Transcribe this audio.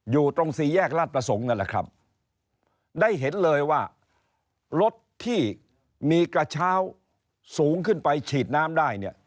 อยู่ตรงสี่แยกราชประสงค์นั่นแหละครับได้เห็นเลยว่ารถที่มีกระเช้าสูงขึ้นไปฉีดน้ำได้เนี่ย